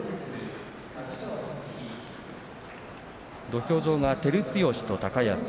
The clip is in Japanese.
土俵上は照強と高安。